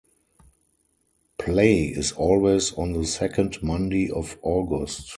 Play is always on the second Monday of August.